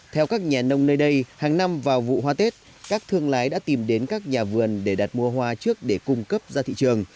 theo các nhà nông nơi đây hàng năm vào vụ hoa tết các thương lái đã tìm đến các nhà vườn để đặt mua hoa trước để cung cấp ra thị trường